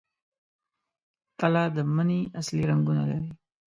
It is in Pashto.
تله د مني اصلي رنګونه لري.